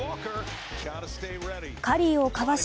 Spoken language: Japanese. カリーをかわし